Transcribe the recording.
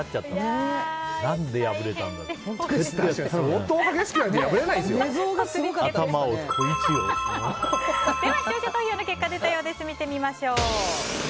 では視聴者投票の結果が出たようですので見てみましょう。